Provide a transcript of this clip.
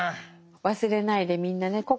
忘れないでみんなね